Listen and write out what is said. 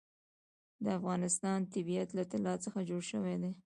د افغانستان طبیعت له طلا څخه جوړ شوی دی.